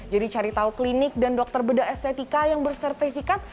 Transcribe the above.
jadi cari tahu klinik dan dokter bedah estetika yang bersertifikat